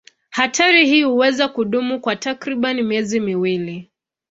Hatari hii huweza kudumu kwa takriban miezi miwili.